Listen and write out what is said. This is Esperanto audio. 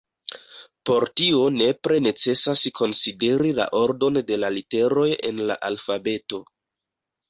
Por tio nepre necesas konsideri la ordon de la literoj en la alfabeto.